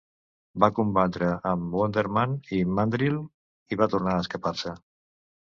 Va combatre amb Wonder Man i Mandrill, i va tornar a escapar-se.